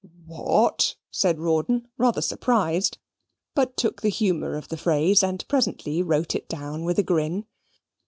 "What?" said Rawdon, rather surprised, but took the humour of the phrase, and presently wrote it down with a grin.